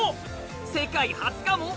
世界初かも？